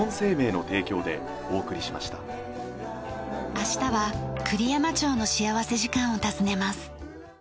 明日は栗山町の幸福時間を訪ねます。